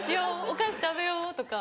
お菓子食べようとか。